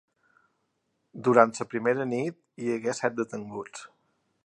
Durant la primera nit, hi hagué set detinguts.